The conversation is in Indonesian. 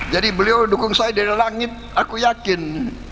jadi beliau dukung saya dari langit aku yakin